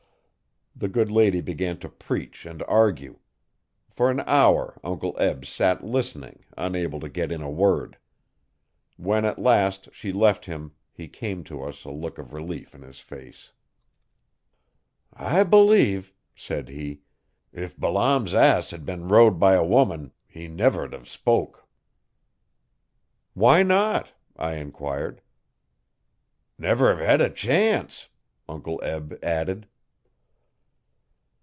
The good lady began to preach and argue. For an hour Uncle Eb sat listening unable to get in a word. When, at last, she left him he came to us a look of relief in his face. 'I b'lieve,' said he, 'if Balaam's ass hed been rode by a woman he never 'd hev spoke.' 'Why not?' I enquired. 'Never'd hev hed a chance,' Uncle Eb added.